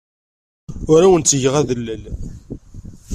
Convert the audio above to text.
Ur awen-ttgeɣ adellel.